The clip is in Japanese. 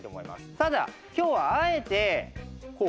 ただ今日はあえてこう。